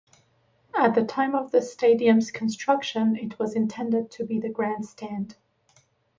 At the time of the stadium's construction it was intended to be the grandstand.